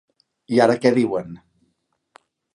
I ara què diuen?